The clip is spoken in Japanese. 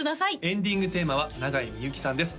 エンディングテーマは永井みゆきさんです